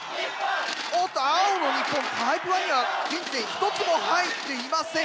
おっと青の日本タイプ１には現時点１つも入っていません。